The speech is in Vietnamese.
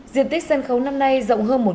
diện tích sân khấu năm nay rộng hơn một